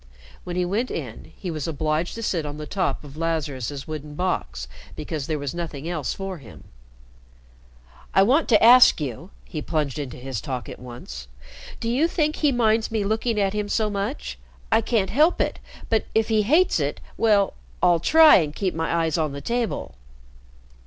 When he went in, he was obliged to sit on the top of Lazarus's wooden box because there was nothing else for him. "I want to ask you," he plunged into his talk at once, "do you think he minds me looking at him so much? I can't help it but if he hates it well I'll try and keep my eyes on the table."